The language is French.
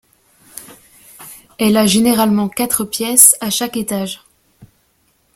Elle a généralement quatre pièces à chaque étage.